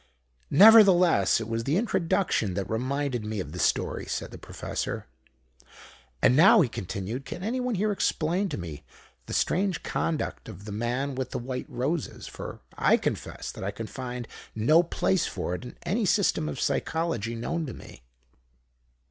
"Nevertheless, it was the introduction that reminded me of the story," said the Professor. "And now," he continued, "can anyone here explain to me the strange conduct of the man with the white roses? For I confess that I can find no place for it in any system of Psychology known to me."